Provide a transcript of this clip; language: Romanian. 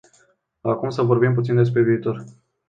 Acum să vorbim puțin despre viitor.